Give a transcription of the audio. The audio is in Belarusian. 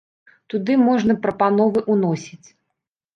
Туды можна прапановы ўносіць.